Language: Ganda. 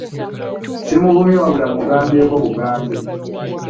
Siimuvumye wabula mugambyeko bugambi.